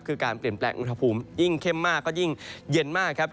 คือการเปลี่ยนแปลงอุณหภูมิยิ่งเข้มมากก็ยิ่งเย็นมากครับ